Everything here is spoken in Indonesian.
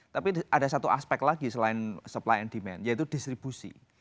tapi ada satu aspek lagi selain supply and demand yaitu distribusi